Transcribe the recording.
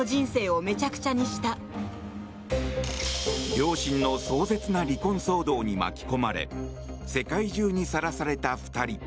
両親の壮絶な離婚騒動に巻き込まれ世界中にさらされた２人。